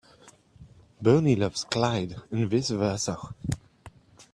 Bonnie loves Clyde and vice versa.